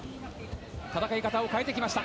戦い方を変えてきました。